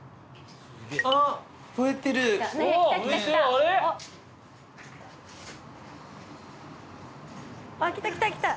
あ来た来た来た。